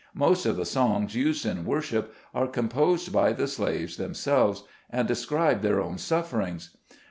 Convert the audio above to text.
Most of the songs used in worship are composed by the slaves them selves, and describe their own sufferings.